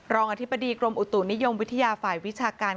อธิบดีกรมอุตุนิยมวิทยาฝ่ายวิชาการ